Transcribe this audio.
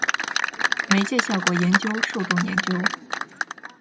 媒介效果研究受众研究